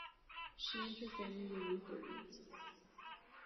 She and her family were Lutherans.